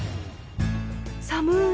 寒い